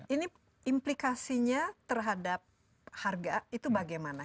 ini implikasinya terhadap harga itu bagaimana